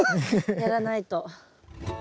やらないと。